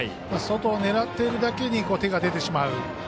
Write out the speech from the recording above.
外を狙っているだけに手が出てしまう。